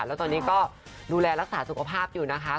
แล้วตอนนี้ก็ดูแลรักษาสุขภาพอยู่นะคะ